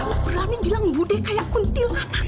kamu berani bilang budi kayak kuntilanak